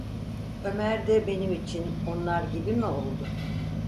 Ömer de benim için onlar gibi mi oldu?